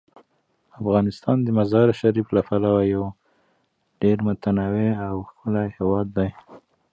افغانستان د مزارشریف له پلوه یو ډیر متنوع او ښکلی هیواد دی.